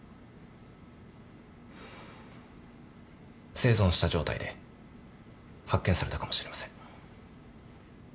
生存した状態で発見されたかもしれません。